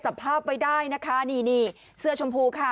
จับภาพไว้ได้นะคะนี่นี่เสื้อชมพูค่ะ